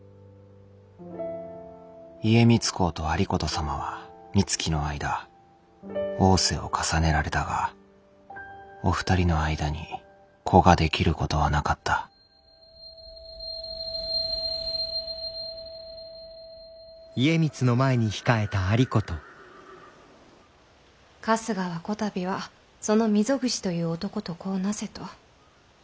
家光公と有功様はみつきの間逢瀬を重ねられたがお二人の間に子ができることはなかった春日はこたびはその溝口という男と子をなせと。